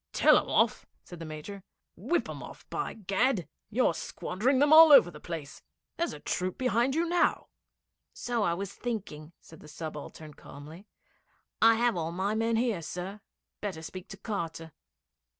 'Tell 'em off!' said the Major. 'Whip 'em off, by Gad! You're squandering them all over the place. There's a troop behind you now!' 'So I was thinking,' said the subaltern calmly. 'I have all my men here, sir. Better speak to Carter.'